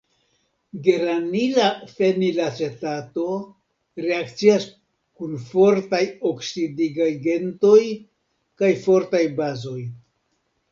Geranila fenilacetato reakcias kun fortaj oksidigagentoj kaj fortaj bazoj.